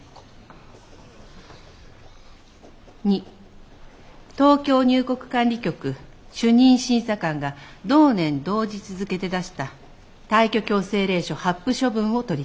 「二東京入国管理局主任審査官が同年同日付で出した退去強制令書発付処分を取り消す。